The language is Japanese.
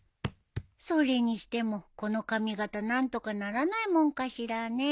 それにしてもこの髪形何とかならないもんかしらねえ。